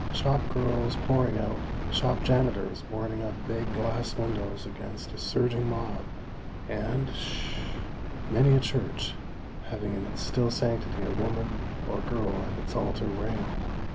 Shop girls pouring out! Shop janitors boarding up big glass windows against a surging mob! And, (sh h h h) many a church having in its still sanctity a woman or girl at its altar rail.